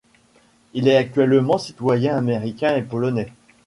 Il est actuellement citoyen américain et polonais.